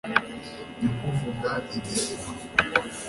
nyakuvuga irizima